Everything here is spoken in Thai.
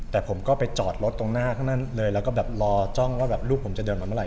แต่ผมก็ไปจอดรถตรงหน้าข้างหน้าเลยและก็รอจ้องว่าลูกผมจะเดินมาเมื่อไหร่